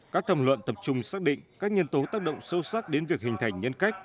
các thẩm luận tập trung xác định các nhân tố tác động sâu sắc đến việc hình thành nhân cách